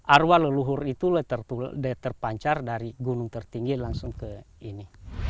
arwah leluhur itu terpancar dari gunung tertinggi langsung ke ini